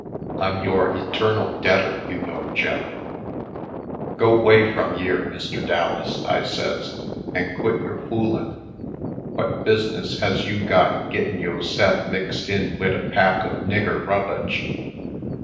I'm your eternal debtor, you. know, Jefif." "Go 'way frum yere, Mr. Dallas," I says, "an' quit yore foolin'. Whut bus'ness has you got gittin' yo'se'f mixed in wid a pack of nigger rubbage?